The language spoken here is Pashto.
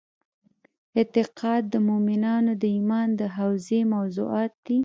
اعتقاد د مومنانو د ایمان د حوزې موضوعات دي.